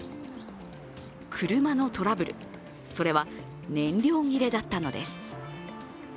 車のトラブル、それは燃料切れだったのです。